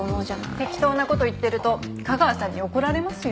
適当な事言ってると架川さんに怒られますよ。